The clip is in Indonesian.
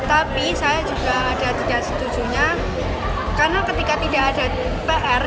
tapi saya juga ada tidak setujunya karena ketika tidak ada pr